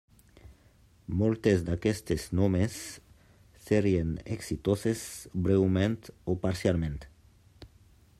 Moltes d'aquestes només serien exitoses breument o parcialment.